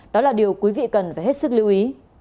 đó là điều quý vị cần phải hết sức lưu ý